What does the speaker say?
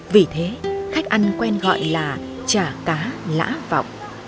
vì thế khách ăn quen gọi là chả cá lã vọng